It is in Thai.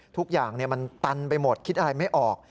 ทุกอย่างมันตันไปหมดคิดอะไรไม่ออก